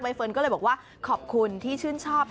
เฟิร์นก็เลยบอกว่าขอบคุณที่ชื่นชอบ